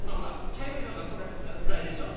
茶色いのがこれフライでしょ。